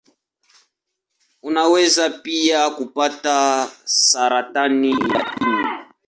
Unaweza pia kupata saratani ya ini.